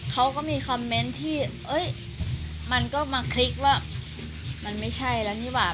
เขาก็มีคอมเมนต์ที่มันก็มาคลิกว่ามันไม่ใช่แล้วนี่หว่า